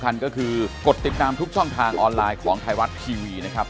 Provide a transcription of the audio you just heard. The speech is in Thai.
ก็คือกดติดตามทุกช่องทางออนไลน์ของไทยรัฐทีวีนะครับ